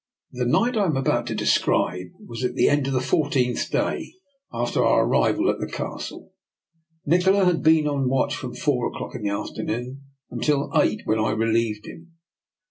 The night I am about to describe was at the end of the fourteenth day after our ar rival at the Castle. Nikola had been on watch from four o'clock in the afternoon until eight, when I relieved him.